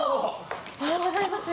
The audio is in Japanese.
おはようございます。